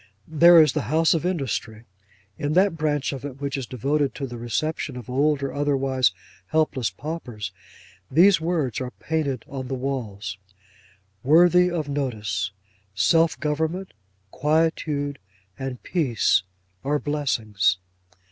There is the House of Industry. In that branch of it, which is devoted to the reception of old or otherwise helpless paupers, these words are painted on the walls: 'WORTHY OF NOTICE. SELF GOVERNMENT, QUIETUDE, AND PEACE, ARE BLESSINGS.